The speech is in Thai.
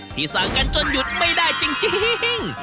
สั่งกันจนหยุดไม่ได้จริง